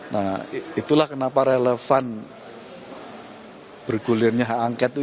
nah itulah kenapa relevan bergulirnya hak angket itu